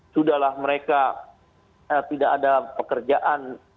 sudahlah mereka tidak ada pekerjaan